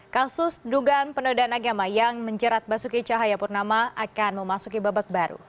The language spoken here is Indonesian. kasus dugaan pendudukan agama yang menjerat basuki cahaya purnama akan memasuki babak baru